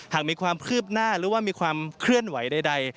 หากมีความคืบหน้าหรือว่ามีความเคลื่อนไหวใด